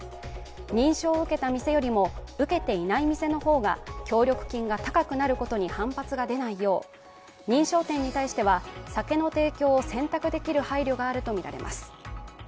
認証を受けた店よりも受けていない店の方が協力金が高くなることに反発が出ないよう、認証店に対しては酒の提供を選択できる配慮があるとみられます。